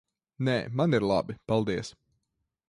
Nē, man ir labi. Paldies.